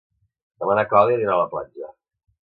Demà na Clàudia anirà a la platja.